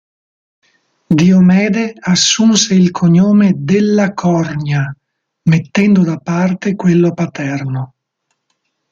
Diomede assunse il cognome della Corgna, mettendo da parte quello paterno.